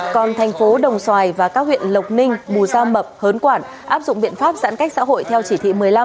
còn thành phố đồng xoài và các huyện lộc ninh bù gia mập hớn quản áp dụng biện pháp giãn cách xã hội theo chỉ thị một mươi năm